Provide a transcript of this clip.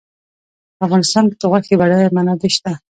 په افغانستان کې د غوښې بډایه منابع شته.